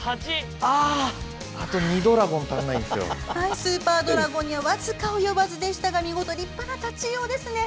スーパードラゴンには僅か及ばずでしたが見事、立派なタチウオですね。